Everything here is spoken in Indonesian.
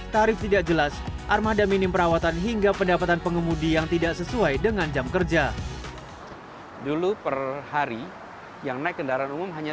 tarif tidak jelas armada minim perawatan hingga pendapatan pengemudi yang tidak sesuai dengan jam kerja